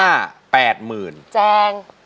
อะแจง